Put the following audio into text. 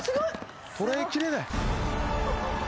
捉え切れない！